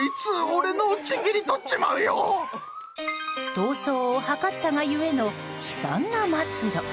逃走を図ったが故の悲惨な末路。